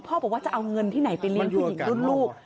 บอกว่าจะเอาเงินที่ไหนไปเลี้ยงผู้หญิงรุ่นลูก